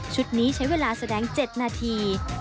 ชุดนี้ใช้เวลาแสดง๗หน้าที